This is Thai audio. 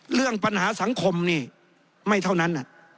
เรื่องปัญหาสังคมนี่ไม่เท่านั้น